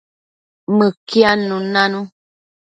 Mëquiadnun nanu